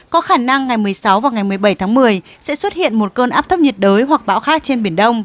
có khả năng ngày một mươi sáu và ngày một mươi bảy tháng một mươi sẽ xuất hiện một cơn áp thấp nhiệt đới hoặc bão khác trên biển đông